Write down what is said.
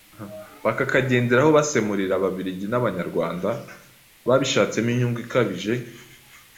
bakakagenderaho basemurira Ababiligi n'Abanyarwanda babishatsemo inyungu ikabije